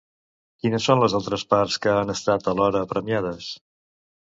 Quines són les altres parts que han estat alhora premiades?